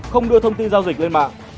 không đưa thông tin giao dịch lên mạng